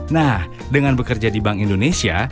nah dengan bekerja di bank indonesia